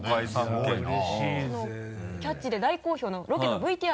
その「キャッチ！」で大好評のロケのＶＴＲ。